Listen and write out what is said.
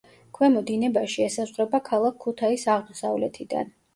ქვემო დინებაში ესაზღვრება ქალაქ ქუთაისს აღმოსავლეთიდან.